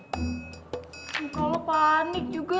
tunggu lo panik juga